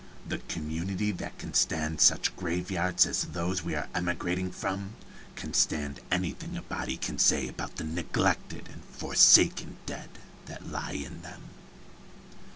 The community that can stand such graveyards as those we are emigrating from can stand anything a body can say about the neglected and forsaken dead that lie in them."